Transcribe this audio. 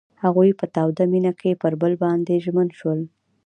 هغوی په تاوده مینه کې پر بل باندې ژمن شول.